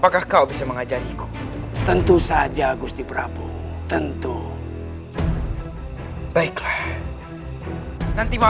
kakanda dinda sangat merindukan kakanda